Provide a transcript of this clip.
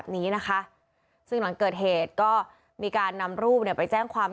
นี้นะคะซึ่งหลังเกิดเหตุก็มีการนำรูปเนี่ยไปแจ้งความ